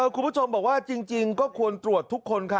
คุณผู้ชมบอกว่าจริงก็ควรตรวจทุกคนค่ะ